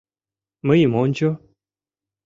— Мыйым ончо!